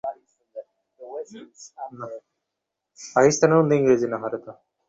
সেই বক্তৃতায় হেমনলিনীকে লইয়া যাও।